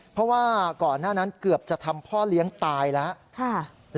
เพราะว่าก่อนหน้านั้นเกือบจะทำพ่อเลี้ยงตายแล้ว